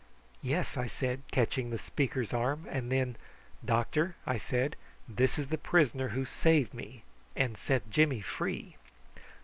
"Yes!" I said, catching the speaker's arm; and then, "Doctor," I said, "this is the prisoner who saved me and set Jimmy free!"